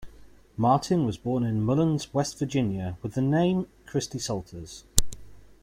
Martin was born in Mullens, West Virginia with the name Christy Salters.